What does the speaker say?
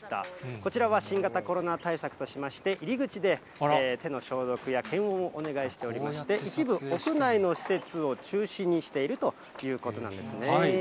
こちらは新型コロナ対策としまして、入り口で手の消毒や検温をお願いしておりまして、一部、屋内の施設を中止にしているということなんですね。